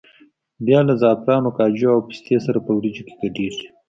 بیا له زعفرانو، کاجو او پستې سره په وریجو کې ګډېږي.